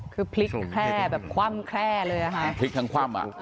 คือพลิกแค่คว่ำแค่เลยนะคะ